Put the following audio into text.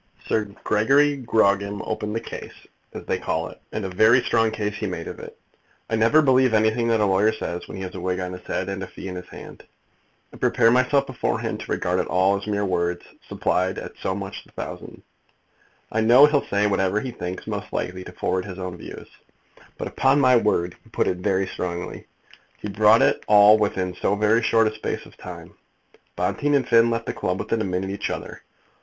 "Sir Gregory Grogram opened the case, as they call it; and a very strong case he made of it. I never believe anything that a lawyer says when he has a wig on his head and a fee in his hand. I prepare myself beforehand to regard it all as mere words, supplied at so much the thousand. I know he'll say whatever he thinks most likely to forward his own views. But upon my word he put it very strongly. He brought it all within so very short a space of time! Bonteen and Finn left the club within a minute of each other.